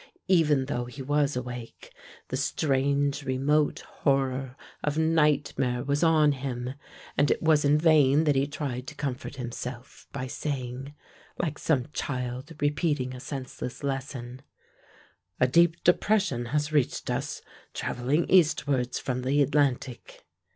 Even though he was awake the strange remote horror of nightmare was on him, and it was in vain that he tried to comfort himself, by saying, like some child repeating a senseless lesson, "A deep depression has reached us traveling eastwards from the Atlantic."